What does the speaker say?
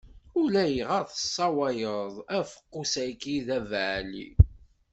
Ulayɣer tesswayeḍ afeqqus-agi, d abeɛli.